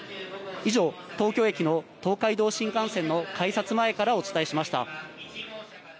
以上、東京駅の東海道新幹線の改札前からお伝えしました。